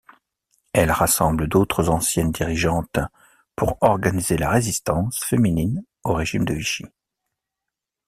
Elles rassemblent d'autres anciennes dirigeantes pour organiser la résistance féminine au régime de Vichy.